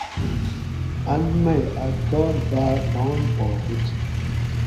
ان مئ اۤ کار باۤر ران پا ھُوت